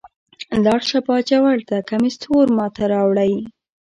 لاړ شه باجوړ ته کمیس تور ما ته راوړئ.